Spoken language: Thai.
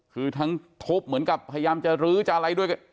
คือทั้งทุบเหมือนกับพยายามจะลื้อจะอะไรด้วย